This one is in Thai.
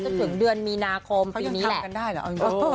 จนถึงเดือนมีนาคมปีนี้แหละเขายังทำกันได้เหรอ